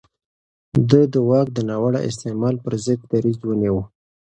ده د واک د ناوړه استعمال پر ضد دريځ ونيو.